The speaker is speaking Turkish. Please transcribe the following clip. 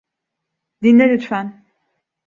Dinle lütfen.